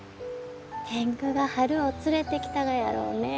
天狗が春を連れてきたがやろうね。